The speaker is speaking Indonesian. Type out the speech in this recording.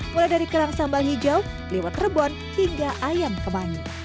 mulai dari kerang sambal hijau liwet rebon hingga ayam kemangi